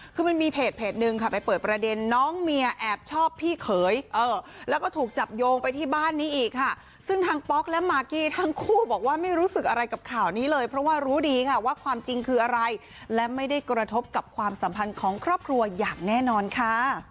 คือมันมีเพจหนึ่งค่ะไปเปิดประเด็นน้องเมียแอบชอบพี่เขยแล้วก็ถูกจับโยงไปที่บ้านนี้อีกค่ะซึ่งทางป๊อกและมากกี้ทั้งคู่บอกว่าไม่รู้สึกอะไรกับข่าวนี้เลยเพราะว่ารู้ดีค่ะว่าความจริงคืออะไรและไม่ได้กระทบกับความสัมพันธ์ของครอบครัวอย่างแน่นอนค่ะ